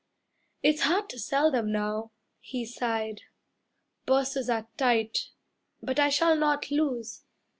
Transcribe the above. It's hard to sell them now," he sighed. "Purses are tight, but I shall not lose.